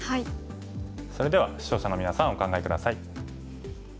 それでは視聴者のみなさんお考え下さい。